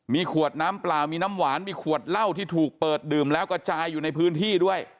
มีขวดน้ำเปล่ามีน้ำหวานมีขวดเหล้าที่ถูกเปิดดื่มแล้วกระจายอยู่ในพื้นที่ด้วย